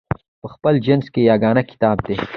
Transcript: په خپل جنس کې یګانه کتاب دی.